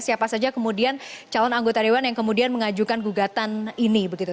siapa saja kemudian calon anggota dewan yang kemudian mengajukan gugatan ini begitu